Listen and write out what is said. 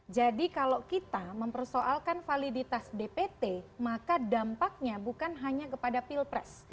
jadi kalau kita mempersoalkan validitas dpt maka dampaknya bukan hanya kepada pilpres